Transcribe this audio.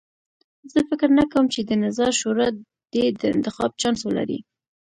زه فکر نه کوم چې د نظار شورا دې د انتخاب چانس ولري.